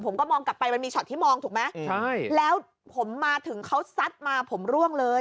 ผมก็มองกลับไปมันมีช็อตที่มองถูกไหมใช่แล้วผมมาถึงเขาซัดมาผมร่วงเลย